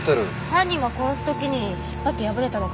犯人が殺す時に引っ張って破れたのかも。